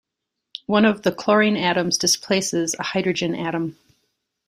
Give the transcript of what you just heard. One of the chlorine atoms displaces a hydrogen atom.